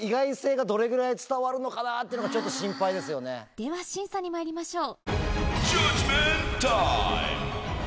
では審査にまいりましょう。